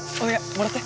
もらって。